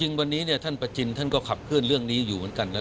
จริงวันนี้ท่านประจินท่านก็ขับเคลื่อนเรื่องนี้อยู่เหมือนกันแล้ว